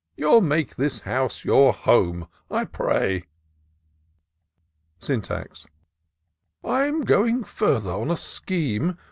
You'll make this house your home, I pray." Syntax. " I'm going ftirther, on a scheme.